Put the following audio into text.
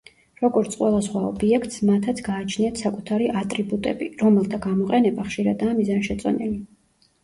როგორც ყველა სხვა ობიექტს, მათაც გააჩნიათ საკუთარი ატრიბუტები, რომელთა გამოყენება ხშირადაა მიზანშეწონილი.